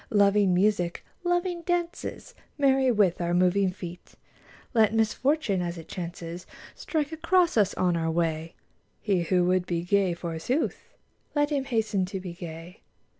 Loving music, loving dances. Merry with our moving feet ! Let misfortune as it chances Strike across us on our way : He who would be gay, forsooth, Let him hasten to be gay.